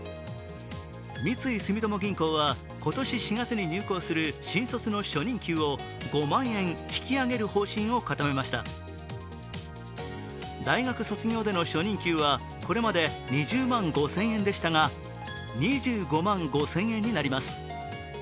三井住友銀行は今年４月に入行する新卒の初任給を５万円引き上げる方針を固めました大学卒業での初任給はこれまで２０万５０００円でしたが２５万５０００円になります。